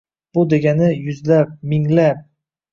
Bu degani — yuzlab, minglab